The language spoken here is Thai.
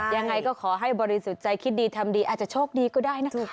ยังไงก็ขอให้บริสุทธิ์ใจคิดดีทำดีอาจจะโชคดีก็ได้นะคะ